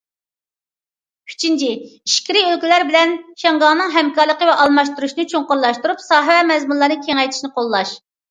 ئۈچىنچى، ئىچكىرى ئۆلكىلەر بىلەن شياڭگاڭنىڭ ھەمكارلىقى ۋە ئالماشتۇرۇشىنى چوڭقۇرلاشتۇرۇپ، ساھە ۋە مەزمۇنلارنى كېڭەيتىشنى قوللاش.